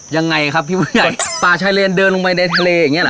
ยังไงครับพี่ผู้ใหญ่ป่าชายเลนเดินลงไปในทะเลอย่างเงี้ยนะ